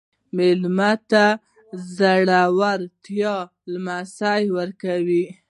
مېلمه ته د زړورتیا لمس ورکړه.